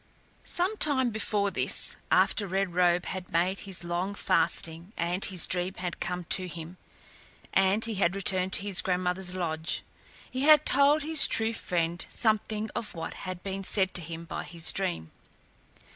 Some time before this, after Red Robe had made his long fasting, and his dream had come to him and he had returned to his grandmother's lodge, he had told his true friend something of what had been said to him by his dream.